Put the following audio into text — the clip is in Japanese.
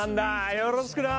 よろしくな。